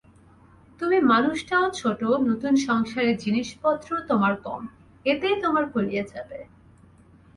তুমি মানুষটাও ছোট, নতুন সংসারে জিনিসপত্রও তোমার কম, এতেই তোমার কুলিয়ে যাবে।